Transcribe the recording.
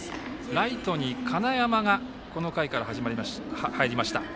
ライトに金山がこの回から入りました。